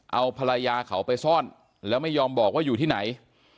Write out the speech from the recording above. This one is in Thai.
เอาภรรยาเขาไปซ่อนแล้วไม่ยอมบอกว่าอยู่ที่ไหน